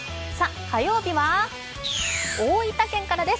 火曜日は大分県からです。